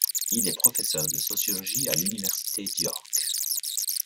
Il est professeur de sociologie à l'Université d'York.